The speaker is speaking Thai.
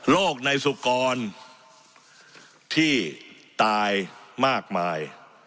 ในสุกรที่ตายมากมาย